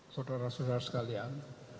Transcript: saudara saudara sekalian